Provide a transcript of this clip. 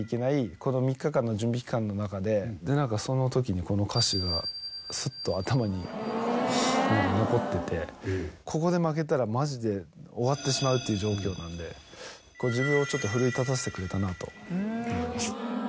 この３日間の準備期間の中で何かその時にこの歌詞がスッと頭に何か残っててここで負けたらマジで終わってしまうっていう状況なんで自分を奮い立たせてくれたなと思います